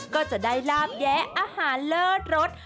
ก็จะได้ลาบแยะอาหารเลิศรส